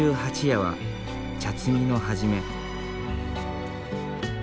夜は茶摘みの始め。